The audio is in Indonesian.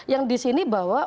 yang di sini bahwa